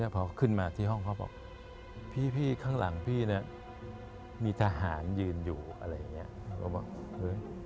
พอขึ้นมาที่ห้องเขาบอกพี่ข้างหลังพี่นะมีทหารยืนอยู่อะไรอย่างนี้